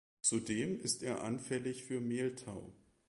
Zudem ist er anfällig für Mehltau.